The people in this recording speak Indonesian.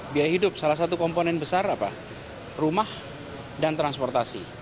biaya hidup salah satu komponen besar apa rumah dan transportasi